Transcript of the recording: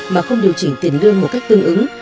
mà không điều chỉnh tiền lương một cách tương ứng